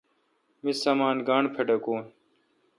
می سامان گاݨڈ پٹکون۔